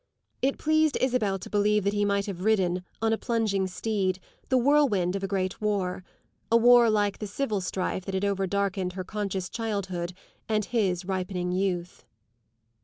It pleased Isabel to believe that he might have ridden, on a plunging steed, the whirlwind of a great war a war like the Civil strife that had overdarkened her conscious childhood and his ripening youth.